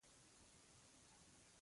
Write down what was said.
احمد په دوو ازموینو کې اول شو.